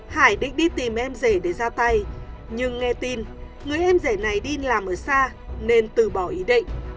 hải định đi tìm em rể để ra tay nhưng nghe tin người em rể này đi làm ở xa nên từ bỏ ý định